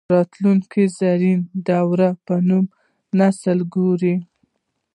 راتلونکي زرین دور به نوی نسل ګوري